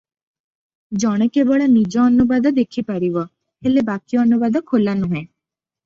ଜଣେ କେବଳ ନିଜ ଅନୁବାଦ ଦେଖିପାରିବ ହେଲେ ବାକି ଅନୁବାଦ ଖୋଲା ନୁହେଁ ।